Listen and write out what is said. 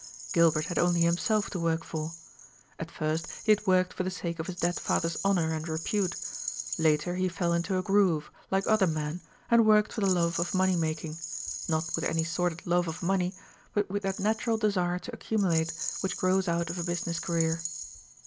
Gilbert had only himself to work for. At first he had worked for the sake of his dead father's honour and repute; later he fell into a groove, like other men, and worked for the love of money making not with any sordid love of money, but with that natural desire to accumulate which grows out of a business career.